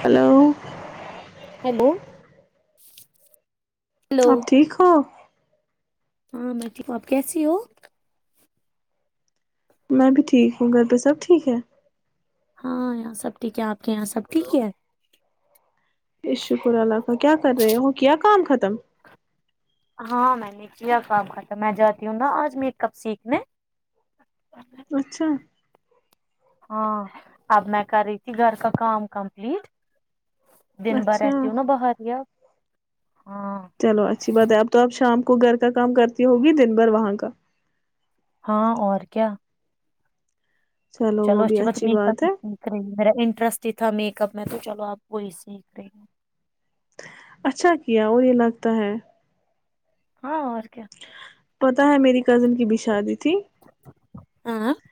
Hello [inaudible] hello [inaudible] hello اپ ٹھیک ہو [unintelligible] ہاں میں ٹھیک ہوں آپ کیسی ہو [unintelligible] میں بھی ٹھیک ہوں گھر پہ سب ٹھیک ہے [unintelligible] ہاں یہاں سب ٹھیک ہے آپ کے یہاں سب ٹھیک ہے شکر اللہ کا کیا کر رہے ہو کیا کام ختم ہاں میں نیچیا کام ختم میں جاتی ہوں نا آج میک اپ سیکھنے اچھا [unintelligible] ہاں اب میں کر رہی تھی گھر کا کام کمپلیٹ دن بھر اچھا رہتی ہ ہو نا باہر ہاں چلو اچھی بات ہے اب تو آپ شام کو گھر کا کام کرتی ہوگی دن بھر وہاں کا [unintelligible] ہاں اور کیا چلو وہ اچ بھی بت م اچھی پ بات ہے رہر انٹرسٹ تھا میک اپ میں تو چلو آپ وہی سیکھ رہے ہو [unintelligible] اچھا کیا اور یہ لگتا ہے ہاں اور [unintelligible] ا کیا [unintelligible] پتا ہے میری [unintelligible] کزن کی بھی شادی تھی [unintelligible] ہاں [unintelligible]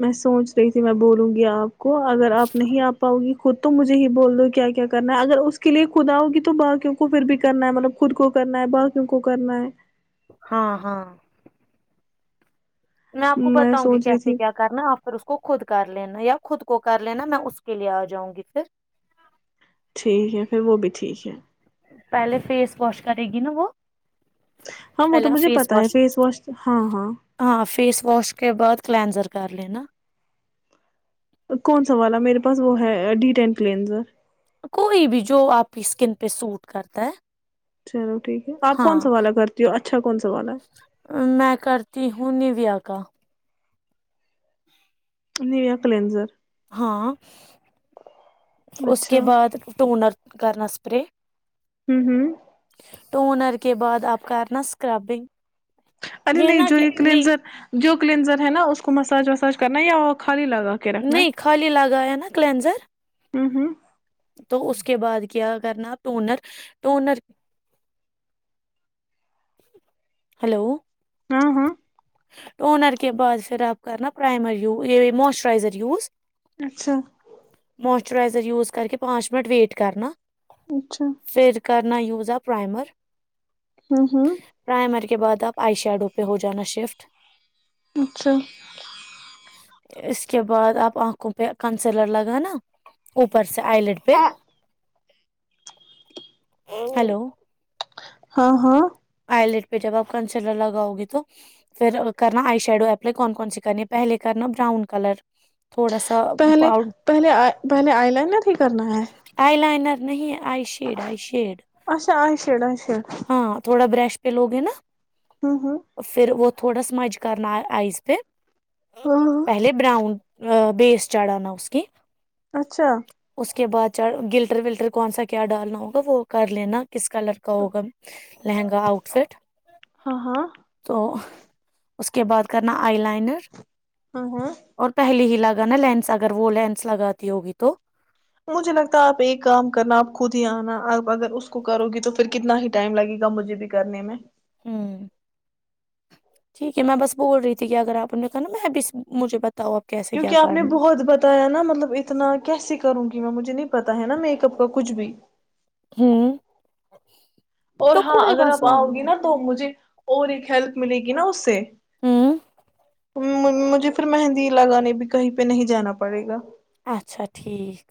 میں سوچ رہی تھی میں بولوں گی آپ کو اگر آپ نہیں آ پاؤ گی [unintelligible] خود تو مجھے ہی بول دو کیا کیا کرنا ہے اگر اس کے لیے خوداؤگی تو باقیوں کو پھر بھی کرنا ہے مطلب خود کو کرنا ہے باقیوں کو کرنا ہے [unintelligible] ہاں ہاں میں آپ کو بتاؤں گی سوچ رہی کیسے تھی کیا کرنا آپ پھر اس کو خود کر لینا یا خود کو کر لینا میں اس کے لیے آ جاؤں گی پھر [unintelligible] ٹھیک ہے پھر وہ بھی ٹھیک ہے پہلے فیس واش کرے گی نا وہ ہاں وہ تو پہلا مجھے فیس پتا ہے واش ہاں ہاں ہاں فیس واش کے بعد کلینزر کر لینا [unintelligible] کون سا والا میرے پاس وہ ہے ڈی ٹین کلینزر کوئی بھی جو آپ کی اسکن پہ سوٹ کرتا ہے چلو ٹھیک ہے آپ کون ہاں سوالا کرتی ہو اچھا کون سا والالا ہے آ کاا [unintelligible] نیو یا کلینزر [unintelligible] ہاں اس اچھا کے ہوں بعد ٹونر [unintelligible] کرنا اسپر [unintelligible] ہوں ہوں [unintelligible] ٹونر کے بعد آپ کرنا سکربنگ [unintelligible] ارے نہیں جو یہ کلنزر جو کلینزر ہے نا اس کو مساج وساج کرنا یا [unintelligible] کے رکھنا نہیں ہے خالی لگا ہے نا کلینزر ہوں ہوں تو اس کے بعد کیا کرنا ٹونر ٹونر ہلو ہاں ہاں تو اونر کے بعد پھر آپ کرنا پرائمر یہ موسچرائزر یوز اچھا مچرائزر یوز کر کے پانچ منٹ ویٹ کرنا اچھا نا یوزا پرائمر ہوں ہوں پرائمری کے بعد اب آئیشڈو پہ ہو جانا شفٹ اچھا اس کے بعد آپ آنکھوں پہ کنسلر لگ نا اوپر آئیلڈ پہ ہلو ہاں ہاں آلٹ پہ جب آپ کنسلر لگاؤ گے تو پھر کرنا آئی شیڈو اپلائی کون کون سی کرنی ہے پہلے کرنا براؤن کلر تھوڑا سا پہلے پاؤڈ پہلے پہلے آئ ل نا کرنا ہے آئی لائنر نہیں آ شڈ آ شی ہ اچھا آئی شیڈ آئی شیڈ تھا بر پ لوگ ہیں نا ہوں ہوں اور پھر وہ تھوڑا سا مچ کرنا آئس پ ہاں ہاں پہلے براؤن بیس چڑھانا اس کی اچھا اس کے بعد چ گلٹر ولٹر کون سا کیا ڈالنا ہوگا وہ کر لینا کس کلر کا ہوگا لہنگا آؤٹ فٹ ہاں ہاں تو اس کے بعد کرنا آئی لائنر ہاں ہاں اور پہلی ہی لگ ا نا لینس اگر وہ لینس لگاتی ہوگی تو مجھے لگتا ہے آپ ایک کام کرنا آپ خود ہی آنا آپ اگر اس کو کرو گی تو پھر کتنا ہی ٹائم لگے گا مجھے بھی کرنے میں ہوں ٹھیک ہے میں بس بول رہی تھی کہ اگر آپ نے کہا نا میں بھی مجھے بتا کیونکہ آپ نے بہت بتایا نا مطلب اتنا کیسے کروں گی میں مجھے نہیں پتا ہے نا میک اپ کا کچھ بھی ہوں اور تو ہاں کوئی اگر آپ مسئلہ آؤ گی نہیں نا تو ہے۔ مجھے اور ایک ہیلپ ملے گی نا اس سے ہوں مجھے پھر مہندی لگانے بھی کہیں پہ نہیں جانا پڑے گا اچھا ٹھیک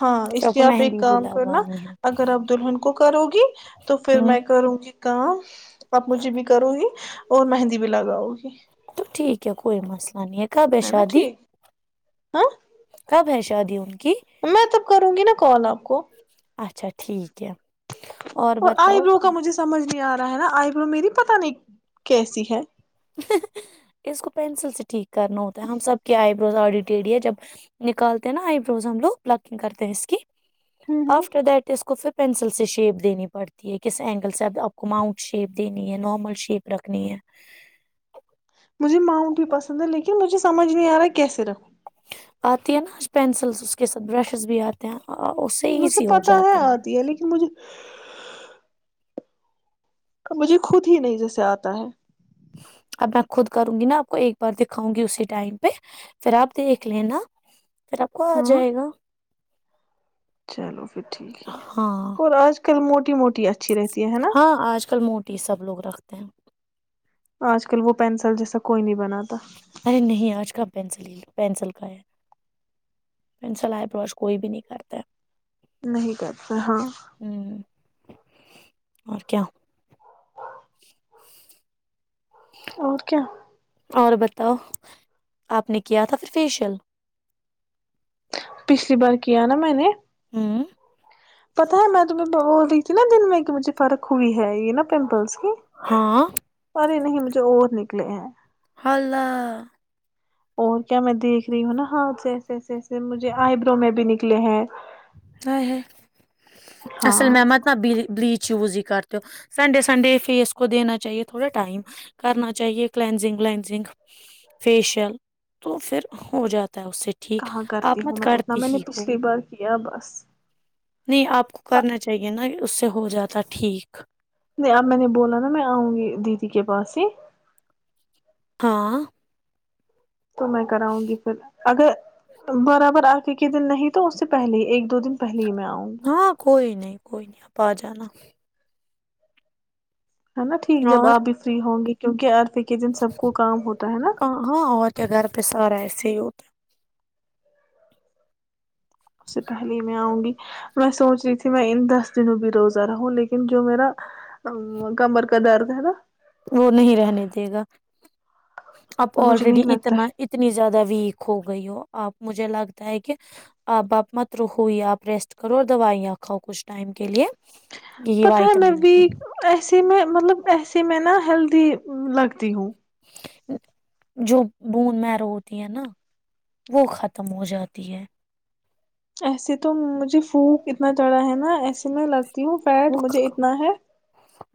ہاں اس سب لیے کو آپ ایک مہندی بھی کام کرنا لگانی ہے اگر آپ دلہن کو کرو گی تو پھر میں ہوں کروں گی کا [unintelligible] باپو جی بھی کروں گی اور مہندی بھی لگاؤ گی تو ٹھیک ہے کوئی مسئلہ نہیں ہے کب ہے نا شادی ٹھیک ہاں کب ہے ش شادی ان کی [unintelligible] میں تب کروں گی نا کال آپ کو اچھا ٹھیک ہے اور آئی برو کا مجھے سمجھ نہیں آ رہا ہے نا آئیبرو میری پت نہیں کیسی ہے اس کو پینسل سے ٹھیک کرنا ہوتا ہے ہم سب کے آئی بروز آڈٹ ڈڈی جب نکالتے ہیں نا آ ب روز ہم لوگ بلکنگ کرتے ہیں اس کی ہوں ہوں آفٹر دٹ اس کو فف پینسل سے شیپ دینی پڑتی ہے کس اینگل سے اب آپ کو ماؤنٹ شیپ دینی ہے نارمل شیپ رکھنی ہے مجھے ماؤنٹ بھی پسند ہے لیکن مجھے سمجھ نہیں آ رہا کیسےرف آتی ہے نا آج پینسلس اس کے ساتھ برشیز بھی آتے ہیں اس سے مجھے ایزی ہو پتا ہے جاتا آتی ہے لیکن مجھے ا مجھے خود ہی نہیں جیسے آتا ہے اب میں خود کروں گی نا آپ کو ایک بار دکھاؤں گی اسی ٹائم پہ پھر آپ دیکھ لینا پھر آپ کو آ ہاں جائے گا چلو پھر ٹھیک ہے ہاں اور آج کل موٹ [unintelligible] ہاں آج کل موٹی سب لوگ رکھتے ت [unintelligible] آج کل وہ پینسل جیسا کوئی نہیں بنا ارے نہیں آج کا پینسل لو پینسل کا ہے پینسل آئے بروش کوئی بھی نہیں کرتا نہیں کرتا ہاں ہے ہوں اور کیا اور کیا اور بتاؤ آپ نے کیا تھا پھر فیشیل پچھلی بار کیا نا میں نے ہاں پتا ہے میں تمہیں بول رہی تھی نا دن میں کہ مجھے فرق ہوئی ہے یہ نا پمپلس کی ہاں پر یہ نہیں مجھے اور نہیں پل ہیں [unintelligible] حلاو اور کیا میں دیکھ رہی ہوں نا ہاتھ سے ایسے ایسے ایسے مجھے آئی برو میں بھی نکلے ہیں ہ ہ اصل ہاں میں مت نا بلیچیوز کرتے ہو سنڈے سنڈے فیس کو دینا چاہیے تھوڑا ٹائم کرنا چاہیے کلینزنگ ولینزنگ فیشیل تو پھر ہو جاتا ہے اس سے ٹھیک کہاں کرتی آپ ہوں مت میں اتنا کرتی میں نے ہی ہو پچھلی بار کیا بس بس نہیں آپ کو کرنا چاہیے نا اس سے ہو جاتا ٹھیک نہیں اب میں نے بولا نا میں آؤں گی دیدی کے پاس ہی ہاہ تو میں کراؤں گی پھر اگر برابر آگے کے دن نہیں تو اس سے پہلے ایک دو دن پہلے ہی میں آؤں گی ہاں کوئی نہیں کوئی نہیں آپ آ جانا ہے نا ٹھیک اور جب آپ بھی فری ہوں گے کیونکہ پ کے دن سب کو کام ہوتا ہے نا کہاں اور کیا گھر پہ سارا ایسے ہی ہوتا اس سے پہلے ہی میں آؤں گی میں سوچ رہی تھی میں ان دس دنوں بھی روزہ رہا ہوں لیکن جو میرا کمر کا درد ہے نا وہ نہیں رہنے دے گا اب مجھے آلریڈی نہیں لگتا اتنا ہے اتنی زیادہ ویک ہو گئی ہو آپ مجھے لگتا ہے کہ آپ باپ مت رخو یہ آپ ریسٹ کرو اور دوائیاں کھاؤ کچھ ٹائم کے لیے یہ پتہ میں وائٹامن ویک کی ایسے میں مطلب ایسے میں نا ہیلدی لگتی ہوں جو بوند میرو ہوتی ہے نا وہ ختم ہو جاتی ہے ایسے تو مجھے پھونک اتنا چڑا ہے نا ایسے میں لگتا ہوں فیٹ وہ مجھے اتنا ہے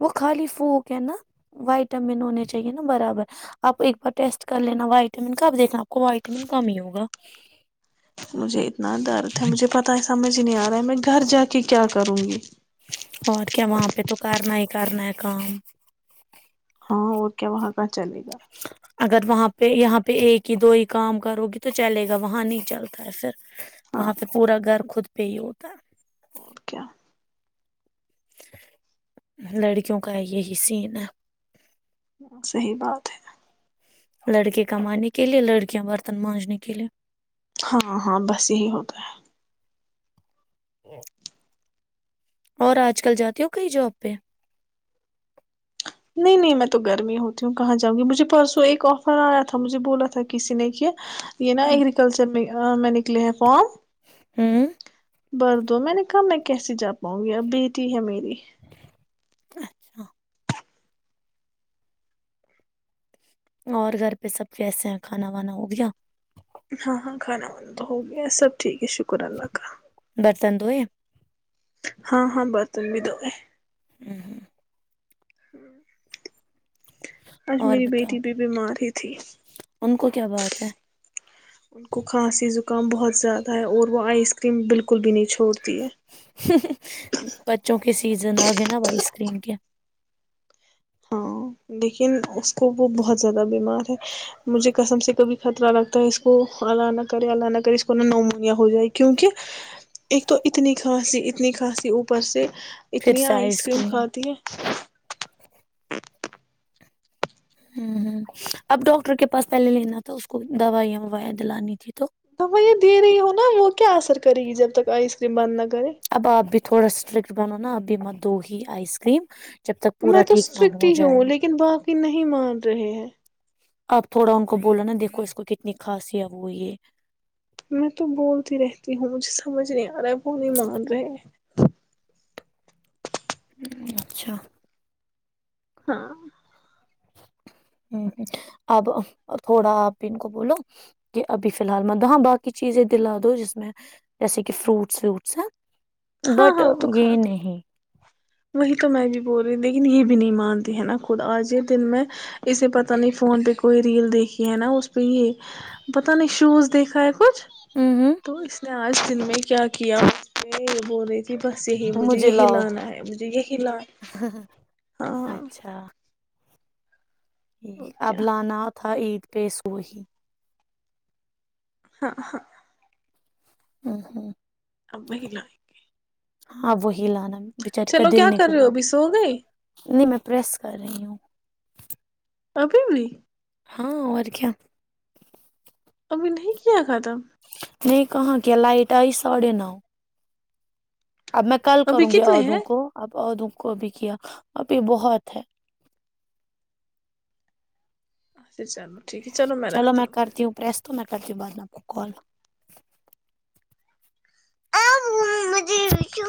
وہ خالی پوک ہے نا وائٹامن ہونے چاہیے نا برابر آپ ایک بار ٹیسٹ کر لینا وائٹامن کا دیکھنا آپ کو وائٹامن کم ہی ہوگا مجھے اتنا درد ہے مجھے پتا ہے سمجھ نہیں آ رہا ہے میں گھر جا کے کیا کروں گی اور کیا وہاں پہ تو کرنا ہی کرنا کا ہاں اوکے وہاں کا چلے گا اگر وہاں پہ یہاں پہ ایک ہی دو ہی کام کرو گی تو چلے گا وہاں نہیں چلتا ہے پھر ہاں وہاں پہ پورا گھر خود پ ہو کاا اور کیا لڑکیوں کا یہی سین ہے ہ صحی بات ہے لڑکے کمانے کے لیے لڑکیاں برتن مانجنے کے لیے ہاں ہاں بس یہی ہوتا ہے اور آج کل جاتی ہ کئی جاب پہ [unintelligible] نہیں نہیں میں تو گرمی ہوتی ہوں کہاں جاؤں گی مجھے پرسوں ایک آفر آیا تھا مجھے بولا تھا کسی نے کیا [unintelligible] یہ نا ہوں ایگگریکلچر میں [unintelligible] ا میں نکلے ہیں فون [unintelligible] ہوں [inaudible] بر دو میں نے کہا میں کیسے جا پاؤں گی اب بیٹی ہے میری [unintelligible] اچھا [inaudible] اور گھر پہ سب کیسے ہیں کھانا وانا ہو گیا [unintelligible] ہاں ہاں کھانا وانا تو ہو گیا سب ٹھیک شکر اللہ کا [inaudible] پسندو ہے [inaudible] ہاں ہاں برتم بھی دوئے [unintelligible] ہوں ہوں [inaudible] ہاں [unintelligible] آج اور میری بتاؤ بیٹی بھی بیمار ہی تھی ان کو کیا بات ہے ان کو کھانسیک [unintelligible] کام بہت زیادہ ہے اور وہ آئس کریم بالکل بھی نہیں چھ [unintelligible] بچوں کی [inaudible] سیزن آ گئے نا آائس کریم کے [unintelligible] ہاں لیکن اس کو وہ بہت زیادہ بیمار ہے مجھے کسم سے کبھی خطرہ لگتا ہے اس کو الہ نہ کرے ا نہ کرے اس کو نہ نومونیا ہو جائے کیونکہ ایک تو اتنی کھانسی اتنی کھانسی اوپر سے [unintelligible] اتنی آئس کریم کھاتی ہیں [unintelligible] ہوں ہوں اب ڈاکٹر کے پاس پہلے لینا تھا اس کو دوائیاں وائیاں دلانی تھی تو تو میں یہ دے رہی ہوں نا وہ کیا اثر کرے گی جب تک [unintelligible] تو آئس کریم بند نہ کرے [unintelligible] اب آپ بھی تھوڑا سٹرکٹ بنو نا آب ما د دو ہیی آئس کررییم [unintelligible] میں تو اسٹرکٹ ہی ہوں لیکن باقی نہیں مان رہے ہیں [unintelligible] آپ تھوڑا ان کو بولاو نا دیکھو اس کو کتنی خاص وہ یہ [unintelligible] میں تو بولتی رہتی ہوں مجھے سمجھ نہیں آ رہا ہے وہ نہیں مان رہے [unintelligible] اچھا [unintelligible] ہاں [inaudible] ہ ہ اب تھوڑا آپ ان کو بولو کہ ابھی فی الحال م ہاں باقی چیزیں دلا دو جس میں جیسے کہ فروٹس ووٹس ہیں [unintelligible] ہاں بٹ ہاں وہ تو یہ کھاتے نہیں [unintelligible] وہی تو میں بھی بول رہی ہ لیکن یہ بھی نہیں مانتی ہے نا خود آج یہ دن میں اسے پتا نہیں فون پہ کوئی ریل دیکھی ہے نا اس پہ یہ پتا نہیں شوز دیکھا ہے کچھ ہوں ہ تو اس نے آج دن میں کیا کیا اس بول رہی تھی [unintelligible] کہ بس یہی مجھے یہی لانا ہے [unintelligible] ل [inaudible] اچھا [inaudible] اب کیا لانا تھا عید [unintelligible] پیسواہی [inaudible] ہاں ہاں [unintelligible] ہ ہوں اب ہ لائیں گے ہاں وہی لانا بچاری کا چلو کیا دل کر رہے ہو نکلا ہے ابھی سو گئے نہیں میں پریس کر رہی ہوں ابھیبڑی ہاں اور کیا ابھی نہیں کیا خ تھام نہیں کہاں کے لائٹ ہے ساڑھے نو اب میں کل ابھی کروں گی کتنے ادوں ہیں کو اب ادوں کو بھی کیا ابھی بہت ہے اھا چلو ٹھیک ہے چلو رکھتی میں کرتی ہوں پھر پرس تو میں کرتی ہوں بعد میں کال ا مججے